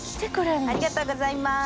ありがとうございます。